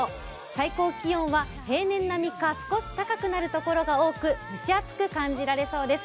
最高気温は平年並みか少し高くなるところが多く蒸し暑く感じられそうです。